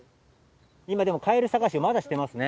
今でも、カエル探しをまだしてますね。